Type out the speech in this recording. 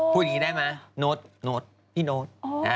พูดอย่างนี้ได้ไหมโน๊ตโน้ตพี่โน๊ต